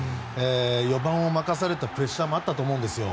４番を任されたプレッシャーもあったと思うんですよ。